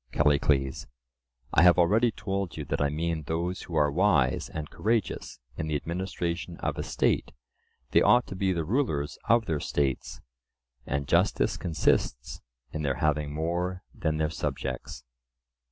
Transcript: CALLICLES: I have already told you that I mean those who are wise and courageous in the administration of a state—they ought to be the rulers of their states, and justice consists in their having more than their subjects.